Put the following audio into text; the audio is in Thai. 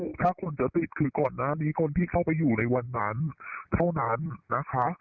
ถ้าคนจะติดคือก่อนหน้านี้คนที่เข้าไปอยู่ในวันนั้นเท่านั้นนะคะ